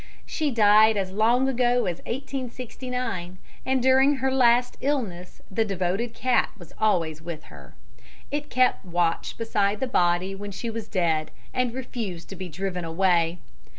She died as long ago as 1869, and during her last illness the devoted cat was always with her. It kept watch beside the body when she was dead, and refused to be driven away.